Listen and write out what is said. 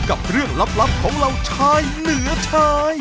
กับเรื่องลับของเหล่าชายเหนือชาย